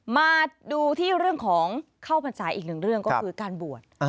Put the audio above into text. มาดูที่เรื่องของเข้าพรรษาอีกหนึ่งเรื่องก็คือการบวช